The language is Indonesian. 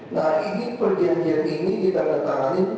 nah ini perjanjian ini kita letakkan